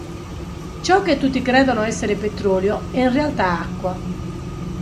Ciò che tutti credono essere petrolio è in realtà acqua.